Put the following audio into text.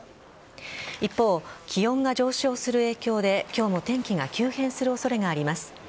一方、気温が上昇する影響で今日も天気が急変する恐れがあります。